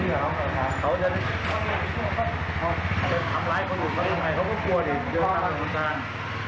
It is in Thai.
เยอะครับคุณสาธารณ์